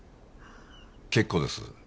結構です。